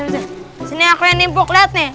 disini aku yang timbuk